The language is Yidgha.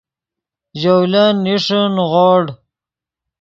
ژولن نیݰے نیغوڑ